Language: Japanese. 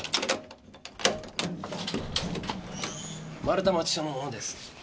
丸太町署の者です。